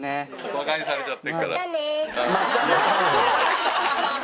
ばかにされちゃってるから。